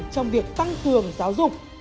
trong việc tăng cường giáo dục